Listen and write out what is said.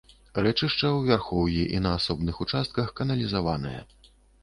Рэчышча ў вярхоўі і на асобных участках каналізаванае.